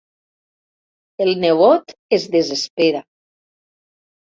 El nebot es desespera.